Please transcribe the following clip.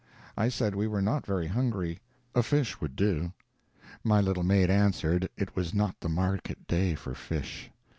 I said we were not very hungry; a fish would do. My little maid answered, it was not the market day for fish.